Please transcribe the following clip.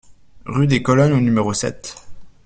Rue des Colonnes au numéro sept